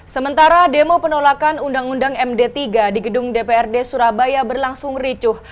sementara demo penolakan undang undang md tiga di gedung dprd surabaya berlangsung ricuh